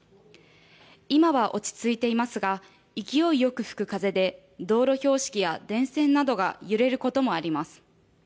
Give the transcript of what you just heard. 今は落ち着いていますが、勢いよく吹く風で道路標識や電線などが揺れることもあります。